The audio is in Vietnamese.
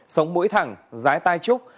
sống mũi thẳng giái tai trúc